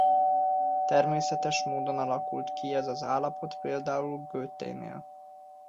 Természetes módon alakult ki ez az állapot például Goethénél.